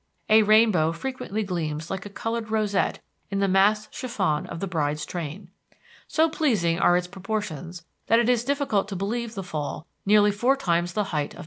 A rainbow frequently gleams like a colored rosette in the massed chiffon of the bride's train. So pleasing are its proportions that it is difficult to believe the fall nearly four times the height of Niagara.